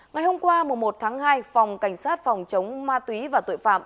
ngày hôm qua một tháng hai phòng cảnh sát phòng chống ma túy và tội phạm